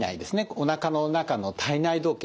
おなかの中の体内時計。